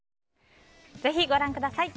ぜひご覧ください。